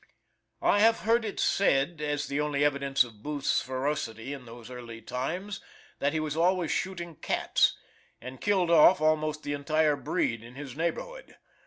I have heard it said as the only evidence of Booth's ferocity in those early times that he was always shooting cats, and killed off almost the entire breed in his neighbourhood.